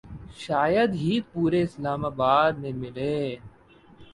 شاید ہی پورے اسلام آباد میں ملے